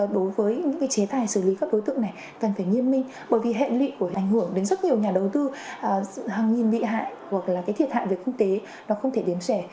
đối với những cái chế tài xử lý các đối tượng này cần phải nghiêm minh bởi vì hẹn lị của nó ảnh hưởng đến rất nhiều nhà đầu tư hàng nghìn bị hại hoặc là cái thiệt hại về công tế nó không thể đếm rẻ